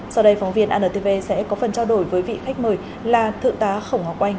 sau đây phóng viên antv sẽ có phần trao đổi với vị khách mời là thượng tá khổng ngọc oanh